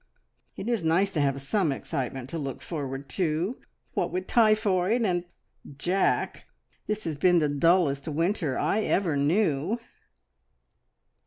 It is nice to have some excitement to look forward to. What with typhoid and Jack, this has been the dullest winter I ever knew."